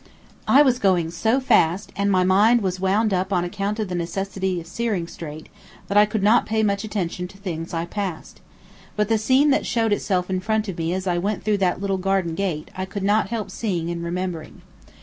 I was going so fast, and my mind was so wound up on account of the necessity of steering straight, that I could not pay much attention to things I passed. But the scene that showed itself in front of me as I went through that little garden gate I could not help seeing and remembering.